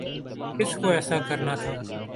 کس نے ایسا کرنا تھا؟